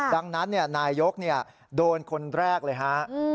ดังนั้นนายกโดนคนแรกเลยฮะ